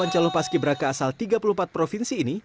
delapan calon paski beraka asal tiga puluh empat provinsi ini